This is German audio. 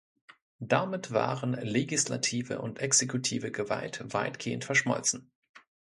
Damit waren legislative und exekutive Gewalt weitgehend verschmolzen.